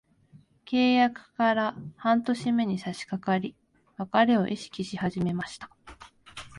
契約から半年目に差しかかり、別れを意識し始めました。